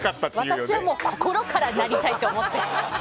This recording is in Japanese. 私は心からなりたいって思って。